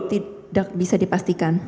tidak bisa dipastikan